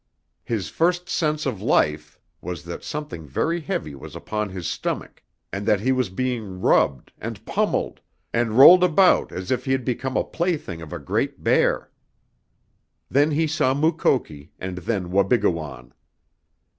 His first sense of life was that something very heavy was upon his stomach, and that he was being rubbed, and pummeled, and rolled about as if he had become the plaything of a great bear. Then he saw Mukoki, and then Wabigoon.